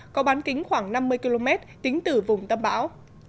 có bán kính khoảng năm mươi km tính từ vùng tâm bão